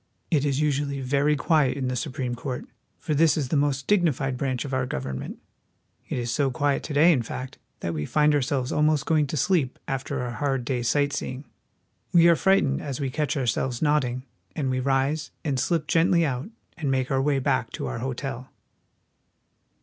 It is usually very quiet in the Supreme Court, for this is the most dignified branch of our government. It is so quiet to day, in fact, that we find ourselves almost going to sleep after our hard day's sight seeing. We are fright ened as we catch ourselves nodding, and we rise, and slip gently out, and make our way back to our hotel.